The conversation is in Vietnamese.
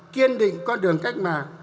kiên định con đường cách mạng